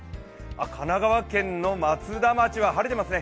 神奈川県の松田町は晴れてますね。